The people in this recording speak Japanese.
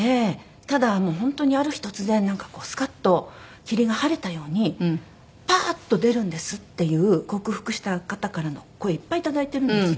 ただもう本当にある日突然なんかこうスカッと霧が晴れたようにパーッと出るんですっていう克服した方からの声をいっぱいいただいてるんですよ。